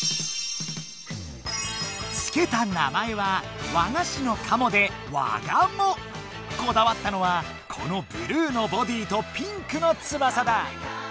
つけた名前はこだわったのはこのブルーのボディーとピンクのつばさだ！